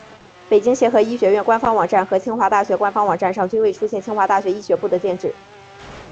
北京协和医学院官方网站和清华大学官方网站上均未出现清华大学医学部的建制。